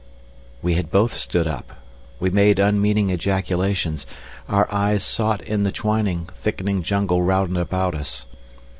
We had both stood up. We made unmeaning ejaculations, our eyes sought in the twining, thickening jungle round about us.